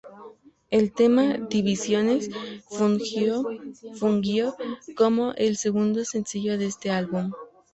El tema "Divisiones" fungió como el segundo sencillo de este álbum.